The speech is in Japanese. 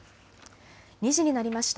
２時になりました。